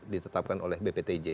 ditetapkan oleh bptj